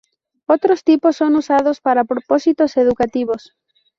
Otros tipos son usados para propósitos educativos.